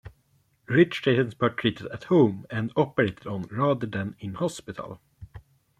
Rich patients were treated and operated on at home rather than in hospital.